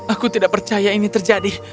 aku tidak percaya ini terjadi